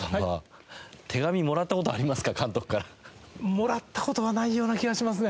もらった事はないような気がしますね。